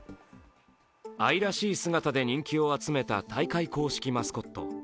愛らしい姿で人気を集めた大会公式マスコット。